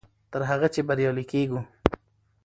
تر هغه چې بریالي کېږو.